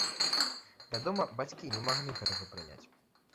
Вядома, бацькі не маглі гэтага прыняць.